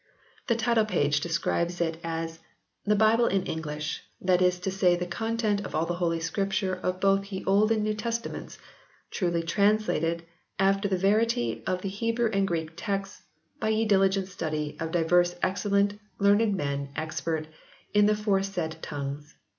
The title page describes it as "The Byble in Englysh, that is to say the content of all the holy scrypture both of y e Olde and Newe testamente truly translated after the veryte of the Hebrue and Greke textes by y e dylygent studye of dyverse excellent, learned men expert in the forsayde tonges.